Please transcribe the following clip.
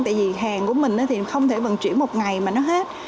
tại vì hàng của mình thì không thể vận chuyển một ngày mà nó hết